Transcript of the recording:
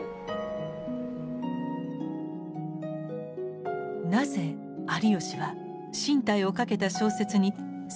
なぜ有吉は進退をかけた小説に三代の女たちを描いたのか。